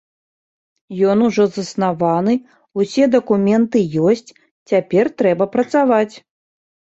Ён ужо заснаваны, усе дакументы ёсць, цяпер трэба працаваць.